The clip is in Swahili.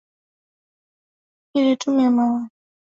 ika tume ya mawazo nae amepungua kidogo